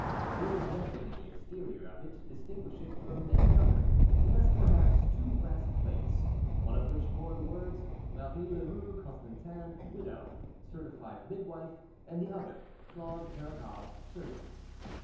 There was nothing in the exterior of it to distinguish it from any other, unless perhaps two brass plates, one of which bore the words MARIE LEROUX CONSTANTIN, WIDOW, CERTIFIED MIDWIFE, and the other CLAUDE PERREGAUD, SURGEON.